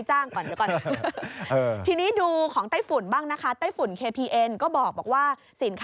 อ้าวเดี๋ยวก่อนใครจ้างก่อน